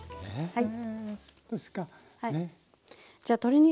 はい。